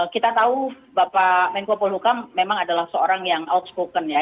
kita tahu bapak menko polhukam memang adalah seorang yang outspoken ya